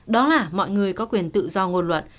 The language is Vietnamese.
đó là mọi người có quyền tự do ngôn luận